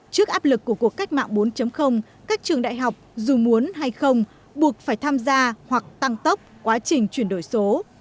trước áp lực của cuộc cách mạng bốn các trường đại học dù muốn hay không buộc phải tham gia hoặc tăng tốc quá trình chuyển đổi số